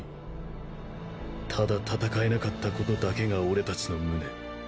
ただ戦えなかったことだけが俺たちの無念。